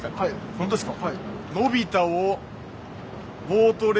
本当ですか？